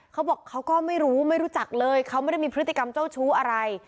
เขาบอกเขาก็ไม่รู้ไม่รู้จักเลยเขาไม่ได้มีพฤติกรรมเจ้าชู้อะไร